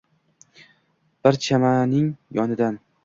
Bir chashmaning yonidan.